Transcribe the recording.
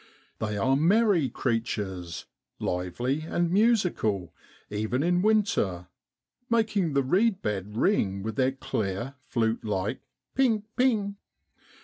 They are merry creatures lively and musical even in winter, making the reed bed ring with their clear, flute like ping, ping.